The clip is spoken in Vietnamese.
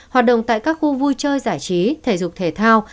hoạt động tại các khu vui chơi giải trí thể dục thể thao